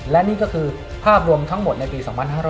และนี่ก็คือภาพรวมทั้งหมดในปี๒๕๖๐